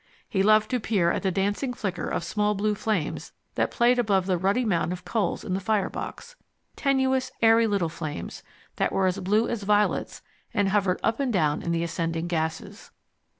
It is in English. He loved to peer in at the dancing flicker of small blue flames that played above the ruddy mound of coals in the firebox tenuous, airy little flames that were as blue as violets and hovered up and down in the ascending gases.